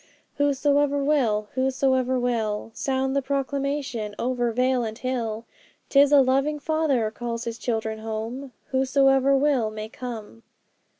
'"Whosoever will, whosoever will; Sound the proclamation over vale and hill; 'Tis a loving Father calls His children home; Whosoever will may come!"'